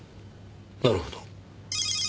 なるほど。